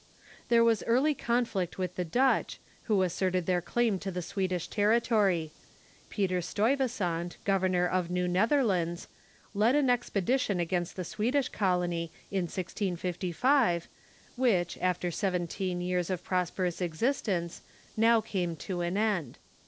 There was early conflict with the Dutch, who asserted their claim to the Swedish territory. Peter Stuyvesant, Governor of New Netherlands, led an expedition 452 THK CHURCH IN THE UNITED STATES against the Swedish Colony in 1055, wliich, after seventeen years of prosperous existence, now came to an end.